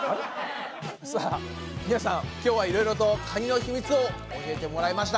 さあ皆さん今日はいろいろとカニの秘密を教えてもらいました。